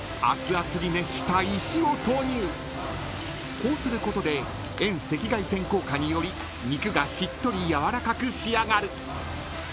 ［こうすることで遠赤外線効果により肉がしっとりやわらかく仕上がる］